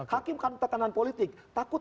hakim kan ketangan politik takut